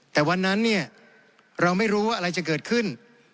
แต่วันนั้นเนี่ยเราไม่รู้ว่าอะไรจะเกิดขึ้น